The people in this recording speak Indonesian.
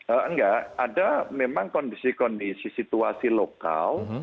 enggak ada memang kondisi kondisi situasi lokal